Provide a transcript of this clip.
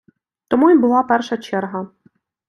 Тому і була перша черга.